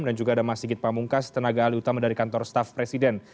dan juga ada mas sigit pamungkas tenaga alih utama dari kantor staff presiden